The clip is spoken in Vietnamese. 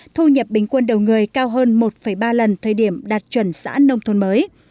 thu nhập bình quân đầu người cao hơn một ba lần thời điểm đạt chuẩn xã nông thôn mới